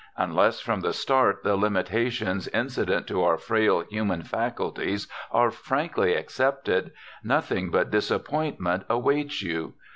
Unless from the start the limitations incident to our frail human faculties are frankly accepted, nothing but disappointment awaits you.